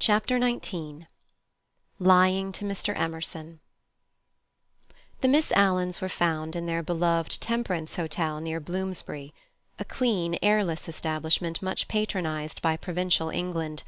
Chapter XIX Lying to Mr. Emerson The Miss Alans were found in their beloved temperance hotel near Bloomsbury—a clean, airless establishment much patronized by provincial England.